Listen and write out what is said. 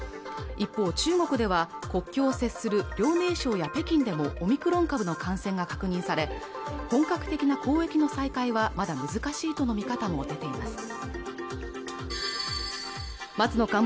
一方中国では国境を接する遼寧省や北京でもオミクロン株の感染が確認され本格的な交易の再開はまだ難しいとの見方も出ています松野